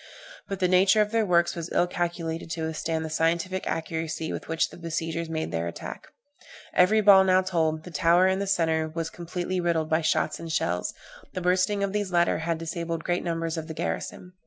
But the nature of their works was ill calculated to withstand the scientific accuracy with which the besiegers made their attack. Every ball now told the tower in the centre was completely riddled by shots and shells; the bursting of these latter had disabled great numbers of the garrison.